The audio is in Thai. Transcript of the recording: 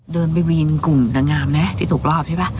เดินไปวินกลุ่มนางงามนะที่ตกรอบใช่ป่ะ